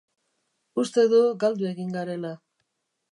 Uste du galdu egin garela.